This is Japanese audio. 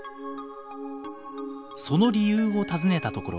その理由を尋ねたところ